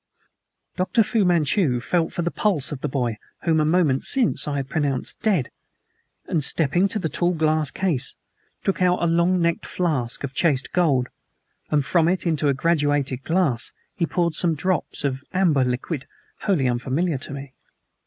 Dr. Fu Manchu felt for the pulse of the boy whom a moment since I had pronounced dead, and, stepping to the tall glass case, took out a long necked flask of chased gold, and from it, into a graduated glass, he poured some drops of an amber liquid wholly unfamiliar to me.